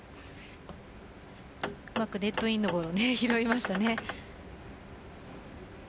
うまくネットインのボールを拾いましたね。